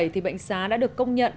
thì bệnh xá đã được công nhận